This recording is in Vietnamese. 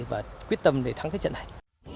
và quyết tâm để thắng cái trận này